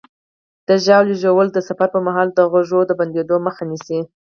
د ژاولې ژوول د سفر پر مهال د غوږ بندېدو مخه نیسي.